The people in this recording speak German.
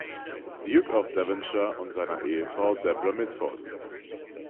Duke of Devonshire und seiner Ehefrau Deborah Mitford.